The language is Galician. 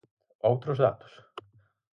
¿Outros datos?